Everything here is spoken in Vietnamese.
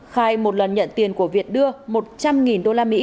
khai một lần nhận tiền của việt đưa một trăm linh usd